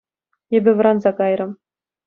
Эпӗ вӑранса кайрӑм.